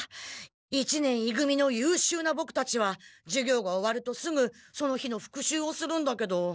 一年い組のゆうしゅうなボクたちは授業が終わるとすぐその日の復習をするんだけど。